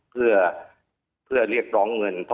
เพื่อเรียกร้องเงิน